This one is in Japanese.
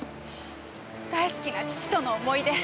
大好きな父との思い出。